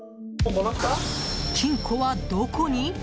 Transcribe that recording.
金庫はどこに？